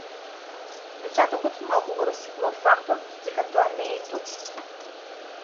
Впечатокот малку го расипува фактот дека тоа не е точно.